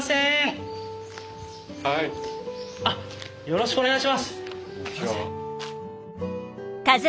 よろしくお願いします。